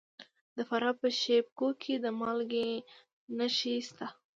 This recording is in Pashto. د فراه په شیب کوه کې د مالګې نښې شته.